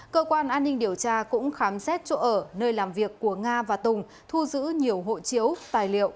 cơ quan an ninh điều tra cũng khám xét chỗ ở nơi làm việc của nga và tùng thu giữ nhiều hộ chiếu tài liệu